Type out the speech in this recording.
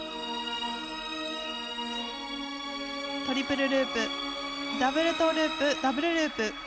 トリプルループダブルトーループダブルループ。